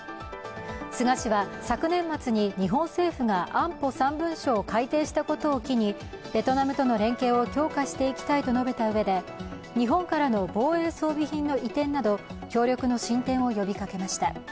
菅氏は、昨年末に日本政府が安保３文書を改定したのを機にベトナムとの連携を強化していきたいと述べたうえで日本からの防衛装備品の移転など協力の進展を呼びかけました。